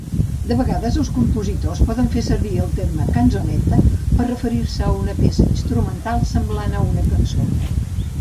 De vegades, els compositors poden fer servir el terme "canzonetta" per referir-se a una peça instrumental semblant a una cançó.